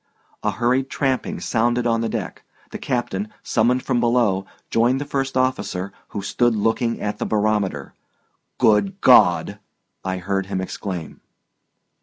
A hurried tramping sounded on the deck; the captain, summoned from below, joined the first officer, who stood looking at the barometer. "Good God!" I heard him exclaim.